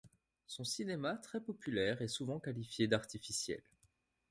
Son cinéma très populaire est souvent qualifié d’artificiel.